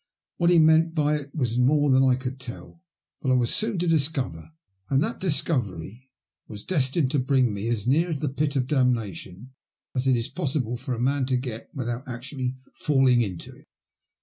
*' What he meant by it was more than I could tell, but I was > soon to discover, and that discovery was destined to ' bring me as near the pit of damnation as it is possible for a man to get without actually falling into it.